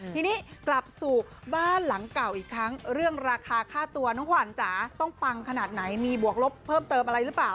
ทีนี้กลับสู่บ้านหลังเก่าอีกครั้งเรื่องราคาค่าตัวน้องขวัญจ๋าต้องปังขนาดไหนมีบวกลบเพิ่มเติมอะไรหรือเปล่า